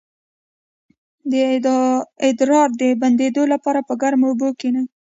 د ادرار د بندیدو لپاره په ګرمو اوبو کینئ